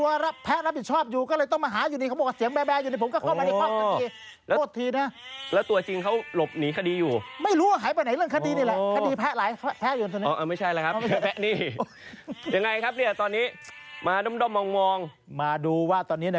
ว่างไงว่างไง